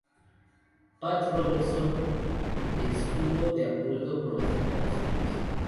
Pat Robertson estuvo de acuerdo con las declaraciones.